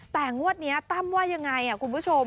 แต่งวดนี้ตั้มว่ายังไงคุณผู้ชม